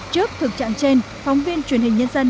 trước thực trạng trên phóng viên truyền hình nhân dân